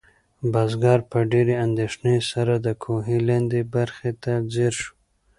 بزګر په ډېرې اندېښنې سره د کوهي لاندې برخې ته ځیر شو.